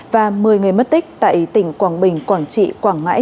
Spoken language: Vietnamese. và một mươi người mất tích tại tỉnh quảng bình quảng trị quảng ngãi